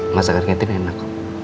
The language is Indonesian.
masakan katrin enak